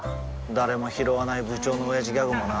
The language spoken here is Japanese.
誰もひろわない部長のオヤジギャグもな